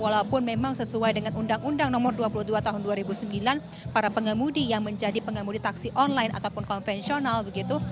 walaupun memang sesuai dengan undang undang nomor dua puluh dua tahun dua ribu sembilan para pengemudi yang menjadi pengemudi taksi online ataupun konvensional begitu